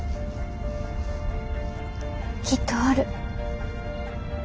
きっとおる。